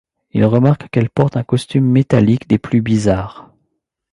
Il remarque qu'elle porte un costume métallique des plus bizarres.